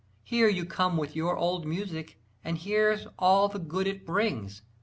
Here you come with your old music, and here's all the good it brings.